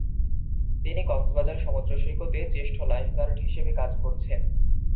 তিনি কক্সবাজার সমুদ্রসৈকতে জ্যেষ্ঠ লাইফগার্ড হিসেবে কাজ করছেন।